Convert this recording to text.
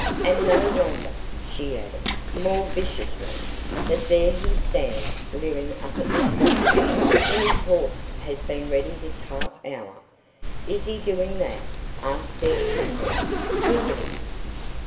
And no wonder," she added, more viciously, "that there he stands leering up at this window, when his horse has been ready this half hour." "Is he doing that?" asked Deb quickly. "Look at him!"